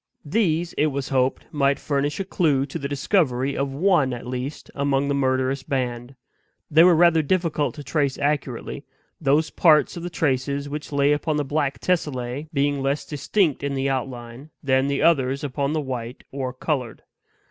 These, it was hoped, might furnish a clew to the discovery of one at least among the murderous band. They were rather difficult to trace accurately; those parts of the traces which lay upon the black tessellae being less distinct in the outline than the others upon the white or colored.